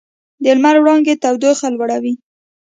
د لمر وړانګې تودوخه لوړوي.